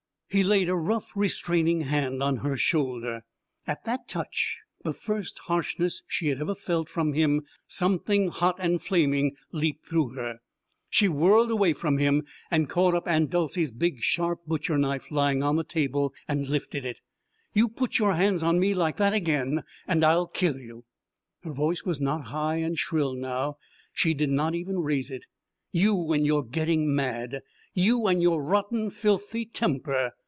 He laid a rough, restraining hand on her shoulder. At that touch the first harshness she had ever felt from him something hot and flaming leaped through her. She whirled away from him and caught up Aunt Dolcey's big sharp butcher knife lying on the table; lifted it. "You put your hands on me like that again and I'll kill you!" Her voice was not high and shrill now; she did not even raise it. "You and your getting mad! You and your rotten, filthy temper!